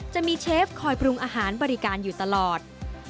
จะมีเชฟคอยปรุงอาหารบริการอยู่ตลอด